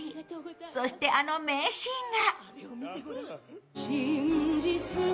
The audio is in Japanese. そしてあの名シーンが。